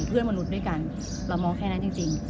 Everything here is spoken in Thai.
มนุษย์ด้วยกันเรามองแค่นั้นจริง